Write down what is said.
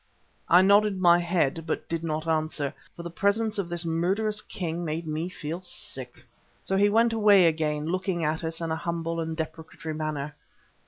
I nodded my head, but did not answer, for the presence of this murderous king made me feel sick. So he went away again, looking at us in a humble and deprecatory manner.